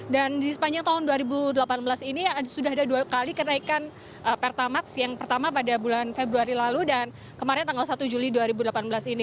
dan di sepanjang tahun dua ribu delapan belas ini sudah ada dua kali kenaikan pertamax yang pertama pada bulan februari lalu dan kemarin tanggal satu juli dua ribu delapan belas ini